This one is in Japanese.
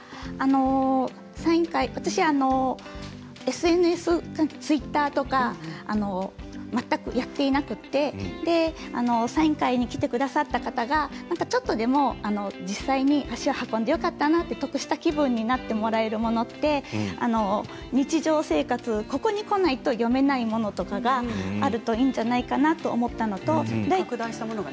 サイン会、私はＳＮＳ、ツイッターとか全くやっていなくてサイン会に来てくださった方がちょっとでも実際に足を運んでよかったなと得した気分になってもらえるものって日常生活のここに来ないと読めないものとかがあるといいんじゃないかなと思ったのと。